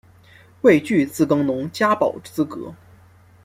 未具自耕农加保资格